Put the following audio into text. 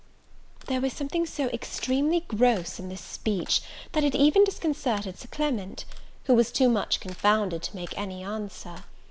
There was something so extremely gross in this speech, that it even disconcerted Sir Clement, who was too much confounded to make any answer.